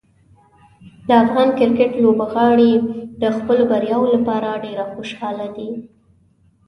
د افغان کرکټ لوبغاړي د خپلو بریاوو لپاره ډېر خوشحاله دي.